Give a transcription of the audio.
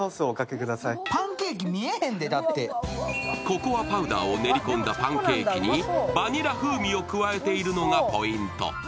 ここらパウダーを練り込んだパンケーキにバニラ風味を加えているのがポイント。